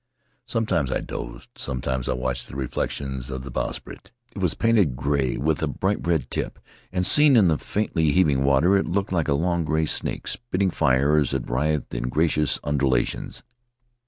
Sometimes I dozed; sometimes I watched the reflections of the bowsprit. It was painted gray, with a bright red tip — and, seen in the faintly heaving water, it looked like a long, gray snake spitting fire as it writhed in graceful undulations.